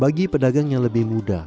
bagi pedagang yang lebih muda